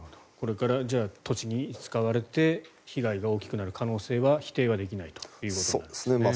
これから都市に使われて被害が大きくなる可能性は否定はできないということですね。